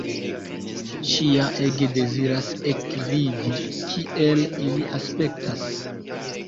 Ŝi ja ege deziras ekvidi, kiel ili aspektas.